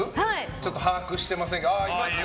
ちょっと把握してませんがいますね。